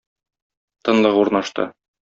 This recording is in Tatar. Тынлык урнашты.